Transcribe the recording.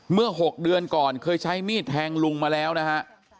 เมื่อ๖เดือนก่อนเคยใช้มีดแทงลุงมาแล้วนะฮะ